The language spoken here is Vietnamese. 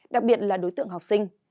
đặc biệt là đối tượng học sinh